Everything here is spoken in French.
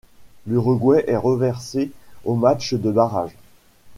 L'Uruguay est reversé au match de barrage.